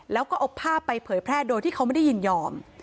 แล้วก็เอาภาพไปเผยแพร่โดยที่เขาไม่ได้ยินยอม